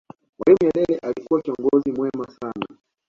mwalimu nyerere alikuwa kiongozi mwema sana